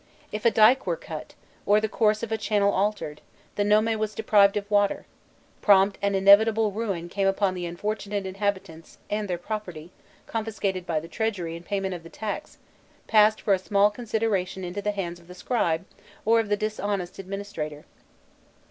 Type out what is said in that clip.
If a dyke were cut, or the course of a channel altered, the nome was deprived of water: prompt and inevitable ruin came upon the unfortunate inhabitants, and their property, confiscated by the treasury in payment of the tax, passed for a small consideration into the hands of the scribe or of the dishonest administrator.